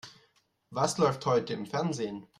Was läuft heute im Fernsehen?